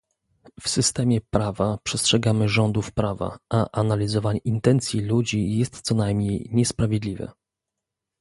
W systemie prawa przestrzegamy rządów prawa, a analizowanie intencji ludzi jest co najmniej niesprawiedliwe